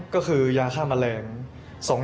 ก็คือยาฆ่าแมลง